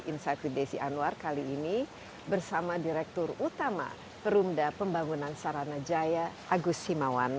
insight with desi anwar kali ini bersama direktur utama perumda pembangunan sarana jaya agus simawan